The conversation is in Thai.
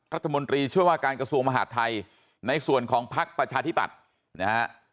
รัฐมนตรีช่วยว่าการกระทรวงมหาดไทยในส่วนของพักประชาธิบัตินะฮะ